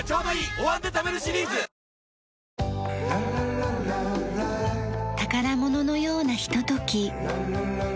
「お椀で食べるシリーズ」宝物のようなひととき。